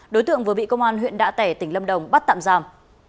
đối tượng vừa bị công an huyện đạ tẻ tỉnh lâm đồng bắt tạm giam